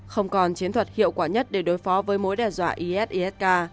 không còn chiến thuật hiệu quả nhất để đối phó với mối đe dọa is isk